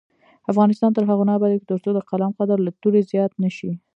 افغانستان تر هغو نه ابادیږي، ترڅو د قلم قدر له تورې زیات نه شي.